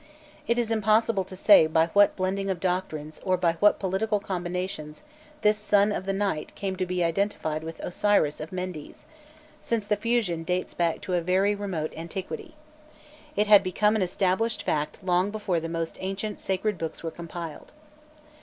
It is impossible to say by what blending of doctrines or by what political combinations this Sun of the Night came to be identified with Osiris of Mendes, since the fusion dates back to a very remote antiquity; it had become an established fact long before the most ancient sacred books were compiled.